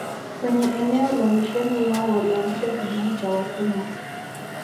Kwenye eneo la misheni yao walianzisha kijiji cha watumwa